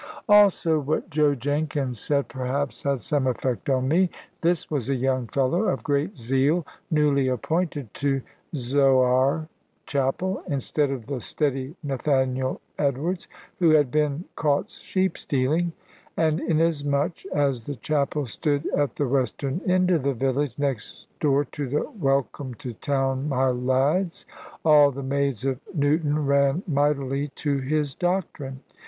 Also what Joe Jenkins said perhaps had some effect on me. This was a young fellow of great zeal, newly appointed to Zoar Chapel, instead of the steady Nathaniel Edwards, who had been caught sheep stealing; and inasmuch as the chapel stood at the western end of the village, next door to the "Welcome to Town, my Lads," all the maids of Newton ran mightily to his doctrine.